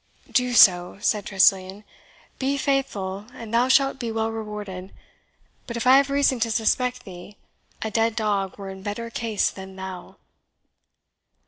"Do so," said Tressilian; "be faithful, and thou shalt be well rewarded. But if I have reason to suspect thee, a dead dog were in better case than thou!"